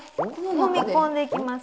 もみ込んでいきますはい。